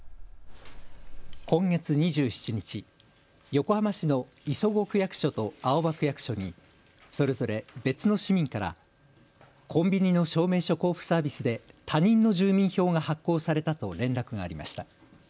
今月２７日、横浜市の磯子区役所と青葉区役所にそれぞれ別の市民からコンビニの証明書交付サービスで他人の住民票が発行されたと連絡がありました。